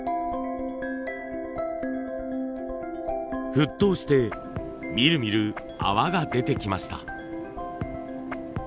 沸騰してみるみる泡が出てきました。